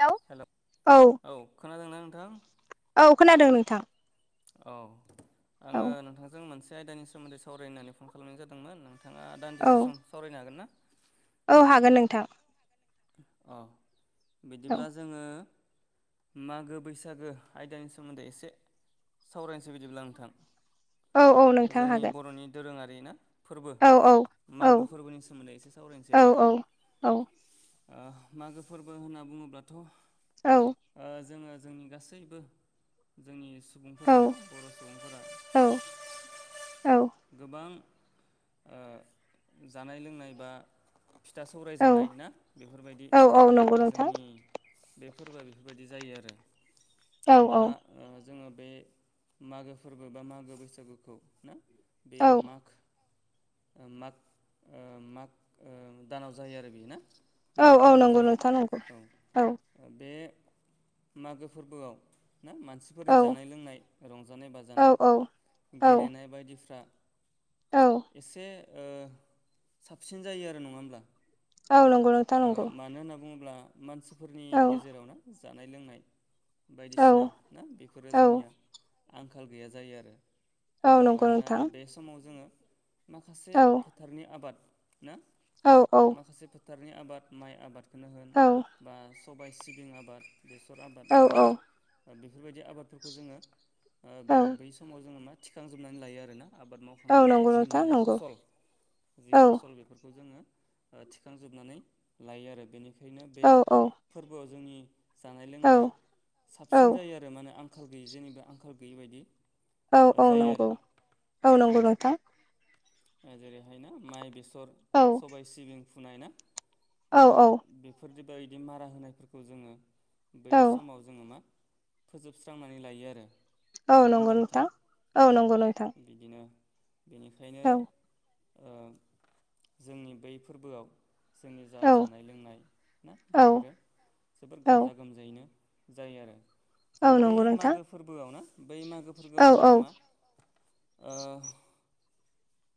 Hello hello औ खोनादोंना नोंथां? औ खोनादों नोंथां। औ औ आङो नोंथांजों मोनसे आयदानि सोमोन्दै सावरायनो होननानै फन खालामनाय जादोंमोन नोंथां नोंथाङा औ दानदिसे सम सावरायनो हागोन ना? औ हागोन नोंथां। अ औ बिदिब्ला जोङो मागो बैसागो आयदानि सोमोन्दै एसे सावरायनोसै बिदिब्ला नोंथां। औ औ नोंथां जोंनि हागोन बर'नि दोरोङारिना। फोरबो औ औ औ मागो फोरबोनि सोमोन्दै एसे सावरायनोसै औ आरो। औ औ ओ मागो फोरबो होनना बुङोब्लाथ' ओ औ जोङो। जोंनि गासैबो जोंनि [unintelligible] ओ जानाय लोंनाय बा फिथा सौराय औ जानाय औ ना। बेफोरबायदि औ औ नंगौ ओ नोंथां जोंनि बे फोरबोआ बेफोरबायदि जायो आरो। औ औ दा ओ जोङो बे मागो फोरबो बा मागो बैसागुखौ ना। बेयो औ माख ओ माग ओ माग दानाव जायो आरो बे ना। औ माग औ दानाव नंगौ जायो नोंथां नंगौ औ। बे मागो फोरबोआव ना मानसि फोरनि औ जानाय लोंनाय रंजानाय औ बाजानाय औ औ गेलेनाय बायदिफ्रा औ एसे ओ साबसिन जायो आरो नङा होमब्ला? औ नंगौ नों ओ मानो होनना बुङोब्ला मानसिफोरनि औ गेजेरावनो जानाय लोंनाय। औ बायदिसिना ना बेफोरो औ जोंनिया आंखाल गैया जायो आरो। औ ओ नंगौ मानोना नोंथां बे समाव जोङो माखासे औ फोथारनि आबाद ना औ औ माखासे फोथारनि आबाद माइ आबादखोनो होन बा सबाय सिबिं आबाद। बेसर आबाद औ ओ बेफोरबायदि आबादफोरखौ जोङो ओ औ बेयाव बै समाव जोङो मा थिखांजोबनानै लायो आरोना आबाद माव औ बोखांनानै नंगौ जि नोंथां मोननाय नंगौ फसल जि औ फसल बेफोरखौ जोङो ओ थिखांजोबनानै लायो आरो बेनिखायनो बे औ फोरबोआव जोंनि जानाय औ लोंनाया औ औ साबसिन जायो आरो माने आंखाल गैयि जेनिबो आंखाल गैयि बायदि। औ औ जायो आरो नंगौ औ नंगौ उम। नोंथां ओ जेरैहाय ना माइ बेसर औ सबाय सिबिं फुनाय ना। ओ औ औ बेफोरदि बायदि मारा होनायफोरखौ जोङो बै औ समाव। जोङो मा फोजोबस्रांनानै लायो आरो। औ नङा होमबा नंगौ नोंथां औ नंगौ नोंथां। बिदिनो बेनिखायनो औ ओ जोंनि बै फोरबोआव जोंनि जा औ जानाय लोंनाय ना औ बेफोरो जोबोद औ गाजा गोमजायैनो जायो आरो। जोङो औ बै नंगौ नोंथां मागो फोरबोआव ना बै मागो औ फोरबोआव औ जोंहा मा ओ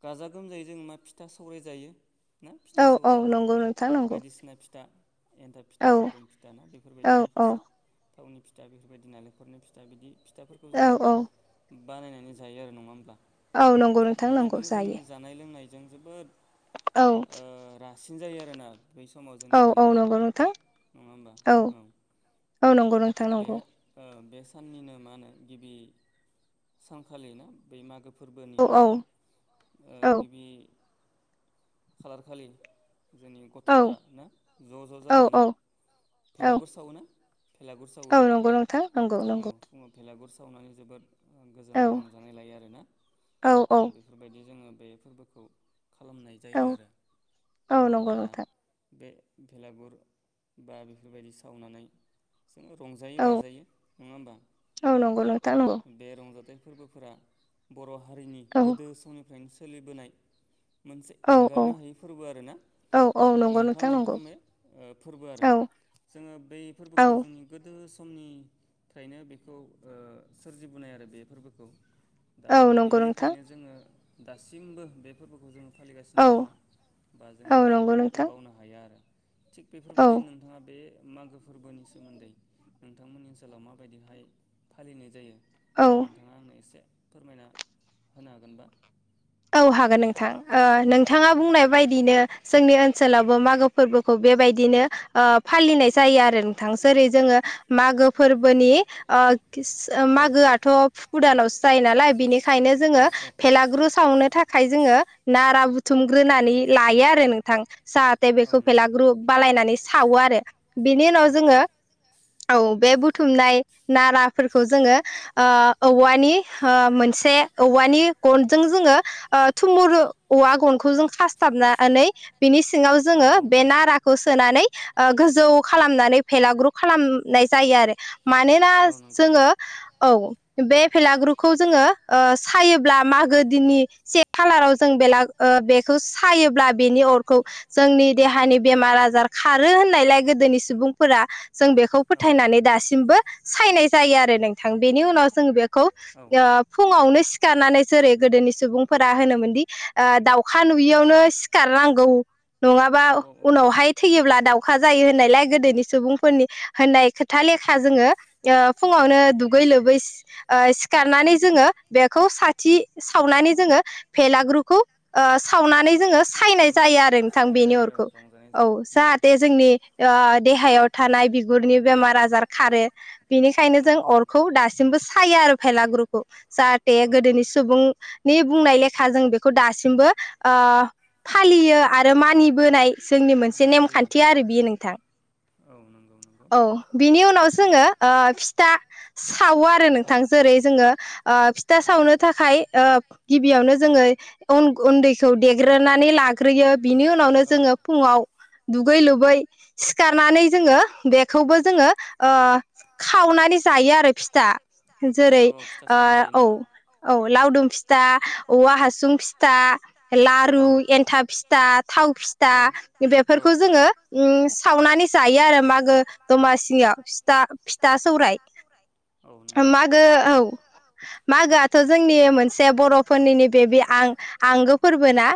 गाजा गोमजायै जों मा फिथा सौराइ जायो। ना फिथा औ औ सौराइ। नंगौ नोंथा नंगौ। दिसिना फिथा एन्थाब औ फिथा लावदुम फिथा ना औ बेफोरबायदि औ माखासे थावनि फिथा बेफोरबायदि नालेंखरनि फिथा बिदि फिथाफोरखौ औ जोङो औ बानायनानै जायो आरो नङा होमब्ला औ नंगौ नोंथां नंगौ बेफोरबायदिनो जोंनि जायो जा नाय लोंनायजों जोबोद औ ओ रासिन जायो आरोना। बै समाव जोंनि औ औ जानाय नंगौ लोंनाया नोंथां नङा होमबा औ। औ नंगौ नोंथां बे नंगौ। ओ बे साननिनो मा होनो गिबि सानखालि ना बै मागो फोरबोनि औ ओ औ गिबि खालार खालि जोंनि गथ औ फ्रा ना ज' ज' औ जानानै औ औ भेलागुर सावोना? भेलागुर सावो औ नंगौ नोंथां नंगौ नंगौ फुङाव। भेलागुर सावनानै जोबोद ओ औ गोजोननाय रंजानाय लायो आरोना औ ओ बेफ औ बेफोरबायदि जोङो बे फोरबोखौ खालामनाय जायो आरो औ ओ नंगौ दा नोंथां बे भलागुर बा बेफोरबायदि सावनानै जोङो रंजायो औ बाजायो नङा होमबा नंगौ औ। नोंथां नंगौ बे रंजाथाइ फोरबोफोरा बर' हारिनि औ गोदो समनिफ्रायनो सोलिबोनाय मोनसे औ औ एंगारनो हायि फोरबो आरो ना। औ औ नंगौ मोनफा नोंथां मोनफा नंगौ ओ फोरबो आरो औ जोङो बै औ फोरबोखौ जोंनि गोदो समनिफ्रायनो बेखौ ओ सोरजिबोनाय आरो बे फोरबोखौ। दा औ बे नंगौ नोंथां लेखायैनो जोङो दासिमबो बे फोरबोखौ जों फालिगासिनो औ दङ ना बा औ जोङो बे नंगौ फोरबोखौ नोंथां बावनो हाया आरो। थिक औ बेफोरबायदिनो नोंथाङा बे मागो फोरबोनि सोमोन्दै नोंथांमोननि ओनसोलाव माबायदिहाय फालिनाय जायो औ नोंथाङा आंनो एसे फोरमायना होनो हागोनबा? औ हागोन नोंथां ओ औ नोंथाङा दे बुंनाय बायदिनो जोंनि ओनसोलावबो मागो फोरबोखौ बेबायदिनो ओ फालिनाय जायो आरो नोंथां जेरै जोङो मागो फोरबोनि ओ किस ओ मागोआथ' भुक दानावसो जायो नालाय बिनिखायनो जोङो नालाय भेलाग्रुस खावनो थाखाय जोङो नारा बुथुमग्रोनानै लायो आरो नोंथां जा थे बेखौ फेलाग्रुप बालायनानै सावो आरो बिनि उनाव सावो जोङो औ बे बुथुमनाय नाराफोरखौ जोङो ओ औवानि ओ मोनसे औवानि गन जों जोङो ओ थुमुरु औवा गनखौ जों खासथाबनानै बेनि सिङाव जोङो बे नारा खौ सोनानै ओ गोजौ खालामनानै भेलाग्रु खालामनाय जायो आरो। मानोना जोङो औ बे भेलाग्रुखौ जोङो ओ साइयोब्ला मागो दिननि से खालाराव जों बेला ओ बेखौ साइयोब्ला बेनि अरखौ जोंनि देहानि बेमार आजार खारो होननायलाय गोदोनि सुबुंफोरा जों बेखौ फोथायनानै दासिमबो सायनाय जायो आरो नोंथां बेनि उनाव जों बेखौ ओ फुङावनो सिखारनानै जेरै गोदोनि सुबुंफोरा होनोमोनदि ओ दाउखा नुयियावनो सिखारनांगौ नङाबा उनावहाय थैयोब्ला दाउ खा जायो होननायलाइ गोदोनि सुबुंफोरनि होननाय खोथा लेखा जोङो ओ फुङावनो दुगै लोबै ओ सिखारनानै जोङो बेखौ साथि सावनानै जोङो भेलाग्रुखौ ओ सावनानै जोङो सायनाय जायो आरो नोंथां बेनि अरखौ रंजानाय औ जायो नंगौ जाहाथे जोंनि ओ देहायाव थानाय बिगुरनि बेमार आजार खारो बिनिखायनो जों अरखौ दासिमबो सायो आरो फेलागुरुखौ जाहाथे भेलागुरखौ गोदोनि सुबुंनि बुंनाय लेखा जों बेखौ दासिमबो ओ फालियो आरो मानिबोनाय जोंनि मोनसे नेमखान्थि आरो बियो नोंथां। औ नंगौ नंगौ औ बिनि जोङो ओ फिथा सावो आरो नोंथां जेरै जोङो ओ फिथा सावनो थाखाय ओ गिबियावनो जोङो अन गुन्दैखौ देग्रोनानै लाग्रोयो बिनि उनावनो जोङो फुङाव दुगै लोबै सिखारनानै जोङो बेखौबो जोङो ओ खावनानै जायो आरो फिथा जेरै औ औ जायो ओ औ औ लावदुम फिथा औवा हासुं फिथा औ लारु एन्था फिथा थाव फिथा बे फोरखौ फिथा जोङो उम सावनानै जायो आरो मागो दमासियाव फिथा फिथा सौराय औ नंगौ मागो औ मागो आ थ जोंनि मोनसे बर'फोरनिनो बेबि आं आंगो फोरबो ना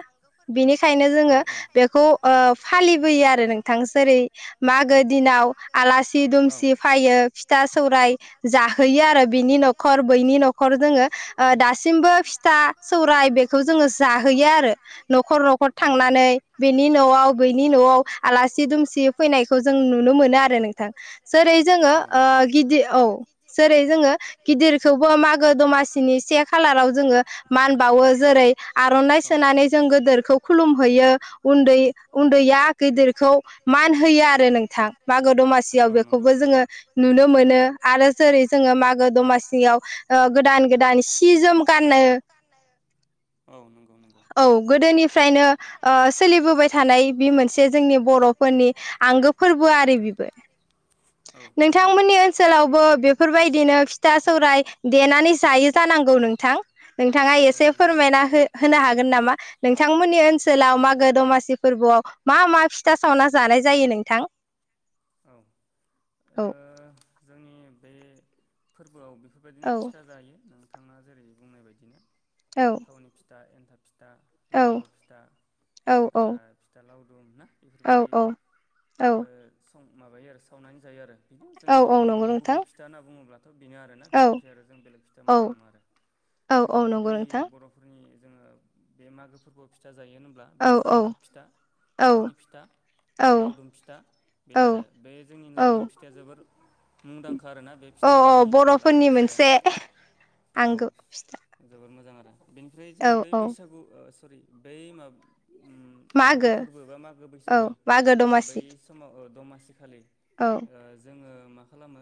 बिनिखायनो औ जोङो बेखौ ओ फालिबोयो आरो नोंथां जेरै मागो दिनाव आलासि दुमसि फायो फिथा सौर जाहोयो आरो बिनि न' खर बैनि न'खर जोङो ओ दासिमबो फिथा सौराय बेखौ जोङो जाहोयो आरो न'खर न'खर थांनानै बेनि न'आव बेनि न'आव आलासि दुमसि फैनायखौ जों नुनो मोनो आरो नों थां जेरै जोङो नों ओ गिदिर औ जेरै जोङो गिदिरखौबो मागो दमासिनि से खालाराव जोंङो मानबावो जेरै आर'नाइ सोनानै जों गोदोरखौ खुलुमहैयो उन्दै उन्दैया गिदिरखौ मान होयो आरो नोंथां मागो औ दमासियाव नंगौ बेखौबो जोङो नुनो मोनो आरो जेरै जोङो मागो ओ दमासियाव ओ गोदान गोदान गोदान सि गोदान जोम सि गाननो जोम गाननो औ नंगौ नंगौ औ औ गोदोनिफ्रायनो ओ गोदोनिफ्रायनो ओ सोलिबोबाय थानाय बे सोलिबोबाय थानाय मोनसे बे जोंनि मोनसे जोंनि बर'फोरनि आंगो बर'फोरनि फोरबो आंगो आरो बेबो फोरबोआि औ नंगौ नोंथांमोननि ओनसोलावबो बेफोरबायदिनो फिथा सौराय देनानै जायो जानांगौ नोंथां। नोंथाङा औ एसे नंगौ फोरमायना हो-होनो हागोन नामा? नोंथांमोननि ओनसोलाव मागो दमासि फोरबोआव मा मा फिथा सावना जानाय जायो नोंथां। औ औ ओ जोंनि बे फोरबोआव बेफोरबायदिनो औ फिथा जायो नोंथाङा जेरै बुंनाय बायदिनो औ थावनि फिथा एन्थाब फिथा औ लारु फिथा औ ओ फिथा लावदुम ना औ बेफोरबायदि औ औ ओ सं माबायो आरो सावनानै जायो आरो बिनो जोंनि औ औ नंगौ बर'नि नोंथां गुबै फिथा होनना बुङोब्ला। बेनो आरोना औ बेनिफ्राय आरो जों बेलेग फिथा औ मोननाय नङा आरो औ जोंनि औ नंगौ गुबै नोंथां बर' फोरनि जोङो बे मागो फोरबोआव फिथा जायो होनब्ला औ बेनो औ एन्थाब फिथा औ थावनि फिथा औ लावदुम फिथा बेनो औ आरो बे जोंनि औ लावदुम फिथाइा जोबोर मुंदांखा आरोना बे फिथाइया औ जोंनि लावदुम बर'फोरनि फिथाइया मोनसे औ आंगो फिथा जोबोर मोजां आरो बेनिफ्राय औ जोङो बै औ बैसागु ओ सरि बै माबा उम मागो फोरबो बा मागो औ बैसागो मागो बै दमासि समाव ओ दमासि खालि औ ओ जोङो मा खालामो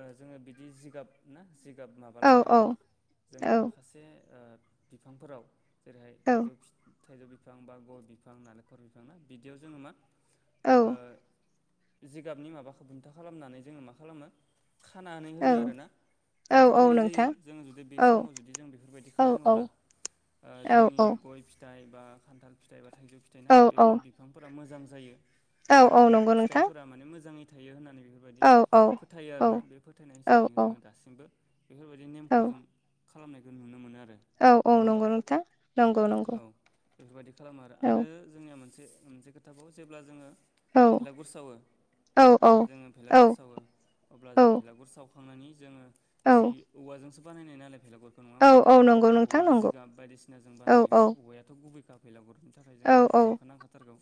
ओ जोङो बिदि जिगाब ना जिगाब माबा औ लानानै औ जोंनि औ माखासे ओ बिफांफोराव जेरैहाय थाइजौ थाइजौ बिफां बा गय बिफां नालेंखर बिफां ना बिदियाव जोङो मा औ ओ जिगाबनि माबाखौ बुन्था खालामनानै जोङो मा खालामो खानानै औ होयो आरोना औ जा औ फोथायनाय जायो नोंथां जोङो जुदि बे औ समाव जुदि जों बेफोरबायदि औ औ खालामोब्ला औ ओ औ जोंनि गय फि फिथाइ बा खान्थाल फिथाइ बा थाइजौ फिथाइ औ ना बेफोर बिफांफोरा मोजां जायो औ बा औ नंगौ नोंथां फिथाइफोरा माने मोजाङै थायो होननानै बेखौ औ औ बेफोरबायदि फोथायो औ आरोना बे फोथायनाय औ हिसाबैनो जोङो दासिमबो बेफोरबायदि नेमखौ औ जों खालामनायखौ नुनो मोनो आरो औ औ नङा होमबा नंगौ नोंथा नंगौ नंगौ औ बेफोरबायदि खालामो आरो औ आरो जोंनिया मोनसे मोनसे खोथाखौाव जेब्ला जोङो औ भेलागुर सावो औ ना औ जोङो भेलागुर सावो अब्ला जों औ भेलागुर सावखांनानै जोङो औ जि औवाजोंसो बानायनाय नालाय भेलागुर। नङा औ होमबा औ नंगौ नोंथां औवा नंगौ जिगाब बायदिसिना जों औ बानायो औ ना औवायाथ' गुबैखा। भेलागुरनो थाखाय औ जोंनो औ औवाखौ नांखाथारगौ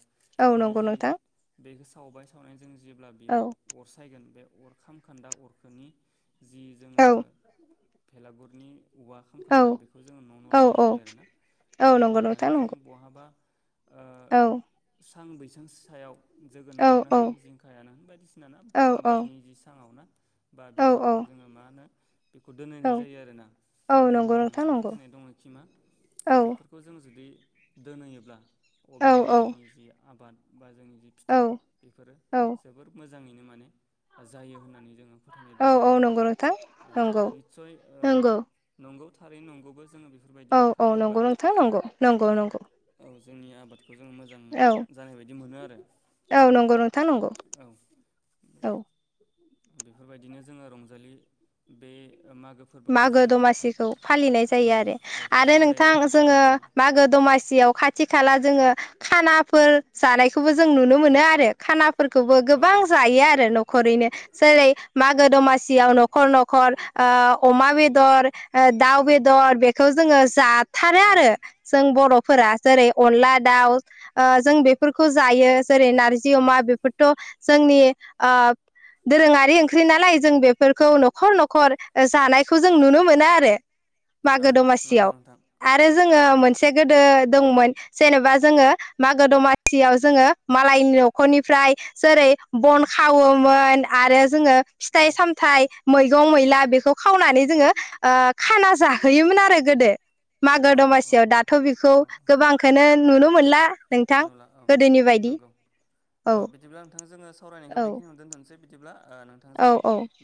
औ जोङो नंगौ जि। नोंथां बेखौ सावबाय सावनायजों जेब्ला औ बेयाव जेब्ला अरसायगोन बे अरखाम खान्दा अरखोनि। जि औ जोङो भेलागुरनि। औवा औ खामखान्दा बेखौ जोङो न' न' औ लांनाय जायो आरोना औ न' न' नंगौ लांनानै नोंथां जों नंगौ बहाबा। ओ औ सां बैसां सायाव। औ जोगोनारानो होन जिंखायानो होन बायदिसिना औ आबादनि जि साङाव ना। बा औ बिफाङाव जोङो मा होनो। बेखौ दोनहैनाय जायो आरोना औ नंगौ जोंहा नोंथां मोनसे नंगौ फोथायनाय दङखि मा औ औ बेफोरखौ। खौ जों जुदि दोनहोैयोब्ला अब्लानिया जोंनि जि आबाद बा जोंनि। जाय औ बेफोरो औ जोबोर मोजाङैनो माने जायो होन्नानै जोङो। फोथायनाय औ दङो औ आरोना नंगौ नोंथां ओ नंगौ निसय ओ नंगौ नंगौ थारै नंगौबो जोङो। बेफोरबायदि औ अ खालामोब्ला नंगौ नोंथां नंगौ नंगौ। औ जोंनि आबादखौ जों मोजां औ जानाय बायदि मोनो आरो। औ नंगौ नोंथां नंगौ। औ। औ बेफोरबायदिनो जोङो रंजालि बे मागो। फोरबोखौ मागो जोङो दमासिखौ फालिनाय जायो औ आरो औ आरो फालिनाय जायो नोंथां गाजा जोङो गोमजायै मागो दमासि। सियाव खाथि खाला जोङो खानाफोर जानायखौबो जों नुनो मोनो आरो। खानाफोरखौबो औ गोबां औ जायो आरो न'खरैनो जेरै मागो दमासि। सियाव औ न'खर न'खर ओ अमा बेदर ओ दाउ औ बेदर बेफ। बे खौ जोङो जाथारो औ आरो जों बर'फोरा जेरै अनला दाउ। ओ जों बेफोरखौ जायो जेरै नारजि अमा बेफोरथ' जोंनि ओ। दोरोङारि ओंख्रि नालाय जों बेफोरखौ न'खर न'खर ओ। जानायखौ जों नुनो मोनो आरो औ मागो नंगौ दमासियाव नोंथां आरो औ जोङो मोनसे। मोनसे गोदो दंमोन। जेनेबा जोङो मागो दमासियाव जोङो मालायनि न'खरनिफ्राय। जेरै बन खावोमोन आरो जोङो। औ फिथाइ सामथाइ मैगं मैला बेखौ। खावनानै जोङो ओ खाना जाहोयोमोन आरो गोदो। मागो अ अ दमासियाव अ दाथ' बेखौ अ गोबांखौ नुनो मोनला। नोंथां नुला औ गोदोनि बायदि नंगौ औ बिदिब्ला नोंथां जोङो सावरायनायखौ औ बेखिनियावनो दोनथनोसै बिदिब्ला ओ औ नोंथांजों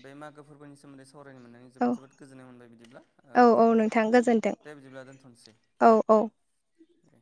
बे मागो फोरबोनि सोमोन्दै सावरायनो मोननानै औ जोबोद जोबोद गोजोननाय मोनबाय बिदिब्ला ओ औ औ जोङो नोंथां बिदिब्ला गोजोन्थों दे बिदिब्ला दोनथ'नोसै। औ औ। दे।